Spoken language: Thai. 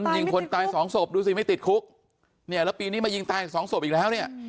ยิงคนตายสองศพดูสิไม่ติดคุกเนี่ยแล้วปีนี้มายิงตายอีกสองศพอีกแล้วเนี่ย